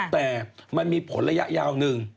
แต่มันมีผลระยะยาวหนึ่ง